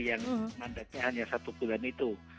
yang mandatnya hanya satu bulan itu